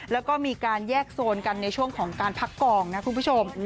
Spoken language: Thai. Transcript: แล้วก็มีการแยกโซนกันในช่วงของการพักกองนะคุณผู้ชม